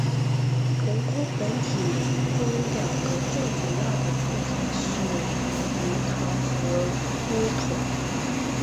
锅炉本体中两个最主要的部件是炉膛和锅筒。